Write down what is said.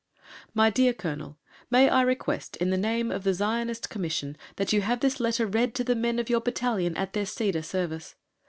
My dear Colonel, May I request, in the name of the Zionist Commission, that you have this letter read to the men of your battalion at their Seder Service.